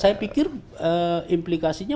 saya pikir implikasinya